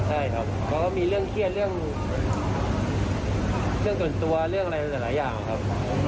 ใช่ครับเขาก็มีเรื่องเครียดเรื่องส่วนตัวเรื่องอะไรหลายอย่างครับ